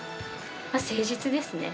誠実ですね。